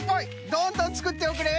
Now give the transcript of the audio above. どんどんつくっておくれ！